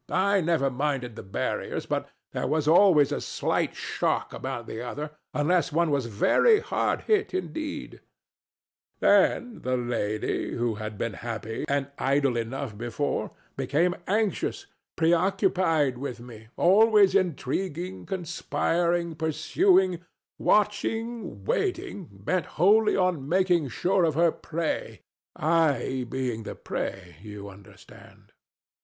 I never minded the barriers; but there was always a slight shock about the other, unless one was very hard hit indeed. DON JUAN. Then the lady, who had been happy and idle enough before, became anxious, preoccupied with me, always intriguing, conspiring, pursuing, watching, waiting, bent wholly on making sure of her prey I being the prey, you understand.